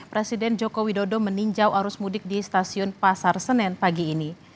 presiden joko widodo meninjau arus mudik di stasiun pasar senen pagi ini